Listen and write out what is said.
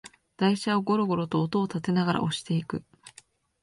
台車をゴロゴロと音をたてながら押していく